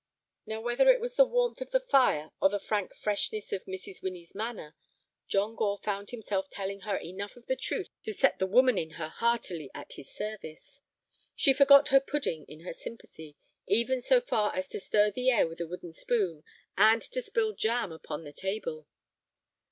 Now whether it was the warmth of the fire, or the frank freshness of Mrs. Winnie's manner, John Gore found himself telling her enough of the truth to set the woman in her heartily at his service. She forgot her pudding in her sympathy, even so far as to stir the air with a wooden spoon and to spill jam upon the table.